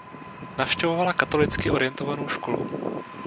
Navštěvovala katolicky orientovanou školu.